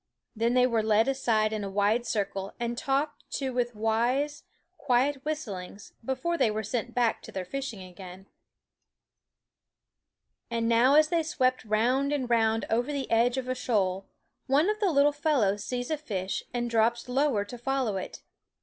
Then they were led aside in a wide circle and talked to with wise, quiet whistlings before they were sent back to their fishing again. And now as they sweep round and round over the edge of a shoal, one of the little fellows sees a fish and drops lower to follow it.